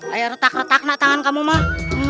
ayo retak retak nak tangan kamu mah